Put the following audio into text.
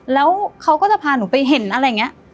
แล้วเขาก็จะพาหนูไปเห็นอะไรอย่างนี้